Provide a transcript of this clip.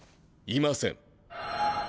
いません。